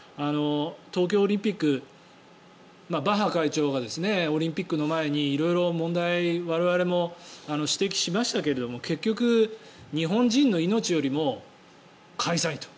東京オリンピックバッハ会長がオリンピックの前に色々、問題我々も指摘しましたけれども結局、日本人の命よりも開催と。